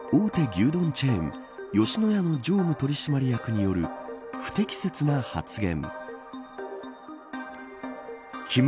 牛丼チェーン吉野家の常務取締役による不適切発言。